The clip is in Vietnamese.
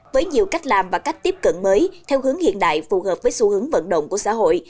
với nhiều cách làm và cách tiếp cận mới theo hướng hiện đại phù hợp với xu hướng vận động của xã hội